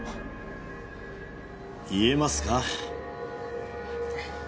言えますか？